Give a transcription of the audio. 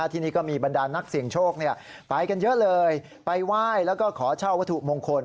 ที่นี่ก็มีบรรดานนักเสี่ยงโชคไปกันเยอะเลยไปไหว้แล้วก็ขอเช่าวัตถุมงคล